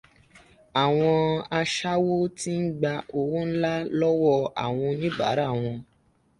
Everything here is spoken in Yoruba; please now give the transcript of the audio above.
Àwọn aṣáwó ti ń gba owó nlá lọ́wọ́ àwọn oníbàárà wọn.